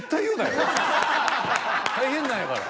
大変なんやから。